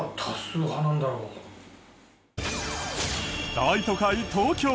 大都会東京。